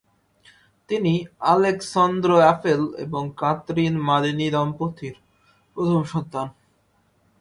তিনি আলেকসঁদ্র এফেল এবং কাতরিন মালিনি দম্পতির প্রথম সন্তান।